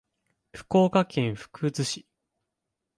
福岡県福津市